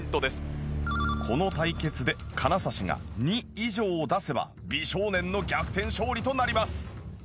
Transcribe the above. この対決で金指が２以上を出せば美少年の逆転勝利となります。